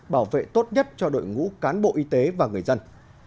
bảo vệ tốt nhất cho đội ngũ cán bộ y tế và người dân